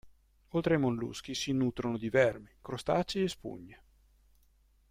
Oltre ai molluschi si nutrono di vermi, crostacei e spugne.